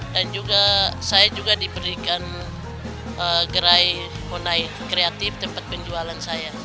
dan juga saya juga diberikan gerai ponai kreatif tempat penjualan saya